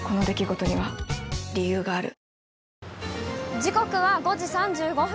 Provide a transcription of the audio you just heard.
時刻は５時３５分。